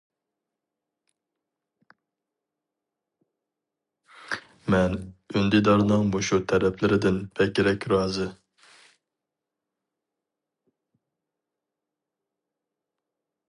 مەن ئۈندىدارنىڭ مۇشۇ تەرەپلىرىدىن بەكرەك رازى.